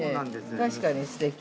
◆確かにすてき。